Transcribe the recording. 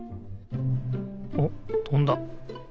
おっとんだ。